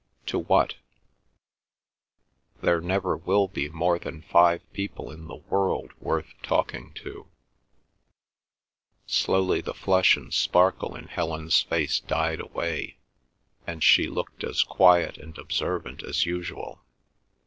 "To what?" "There never will be more than five people in the world worth talking to." Slowly the flush and sparkle in Helen's face died away, and she looked as quiet and as observant as usual.